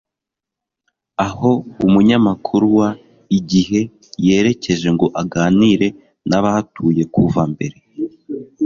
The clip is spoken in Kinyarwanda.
aho Umunyamakuru wa IGIHE yerekeje ngo aganire n'abahatuye kuva mbere,